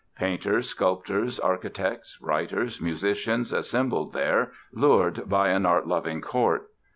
Painters, sculptors, architects, writers, musicians assembled there, lured by an art loving Court.